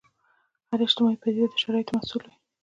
هره اجتماعي پدیده د شرایطو محصول وي.